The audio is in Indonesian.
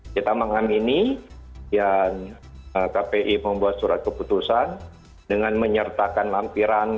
kita mengamini yang kpi membuat surat keputusan dengan menyertakan lampiran